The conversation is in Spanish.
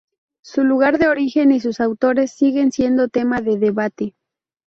Su lugar de origen y sus autores siguen siendo tema de debate.